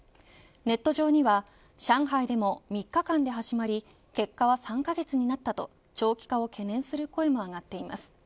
ネット上には上海でも３日間で始まり結果は３カ月になったと長期化を懸念する声も上がっています。